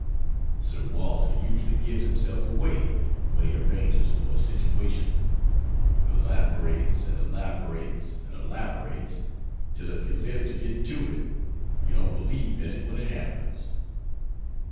Sir Walter usually gives himself away when he arranges for a situation elaborates, and elaborates, and elaborates, till if you live to get to it you don't believe in it when it happens.